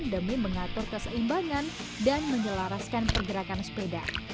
demi mengatur keseimbangan dan menyelaraskan pergerakan sepeda